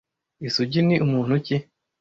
Isugi ni umuntu ki